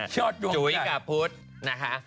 จุ๋ยกับพุทธนะคะ